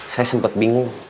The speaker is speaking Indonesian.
saya sempet bingung